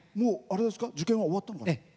受験は終わったのかな？